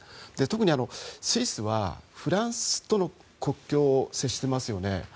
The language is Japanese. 特にスイスはフランスとの国境接してますよね。